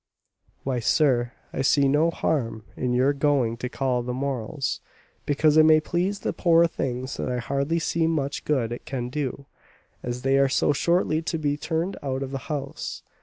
"Why, sir, I see no harm in your going to call on the Morels, because it may please the poor things; but I hardly see much good it can do, as they are so shortly to be turned out of the house."